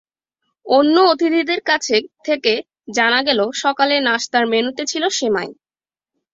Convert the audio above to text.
অন্য অতিথিদের কাছ থেকে জানা গেল, সকালে নাশতার মেন্যুতে ছিল সেমাই।